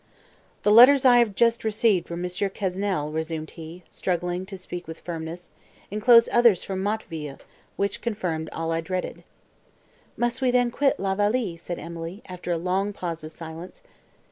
"The letters I have just received from M. Quesnel," resumed he, struggling to speak with firmness, "enclosed others from Motteville, which confirmed all I dreaded." "Must we then quit La Vallée?" said Emily, after a long pause of silence.